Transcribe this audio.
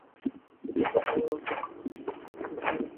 পূজা পাওয়ার যোগ্যতা আকাশের চেয়ে বেশি আর কার আছে?